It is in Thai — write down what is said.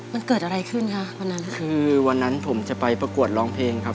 มันเกิดอะไรขึ้นคะวันนั้นคือวันนั้นผมจะไปประกวดร้องเพลงครับ